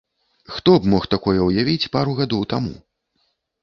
Хто б мог такое ўявіць пару гадоў таму?